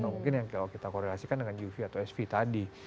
mungkin yang kalau kita koordinasikan dengan uv atau sv tadi